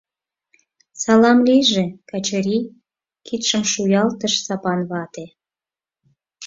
— Салам лийже, Качырий, — кидшым шуялтыш Сапан вате.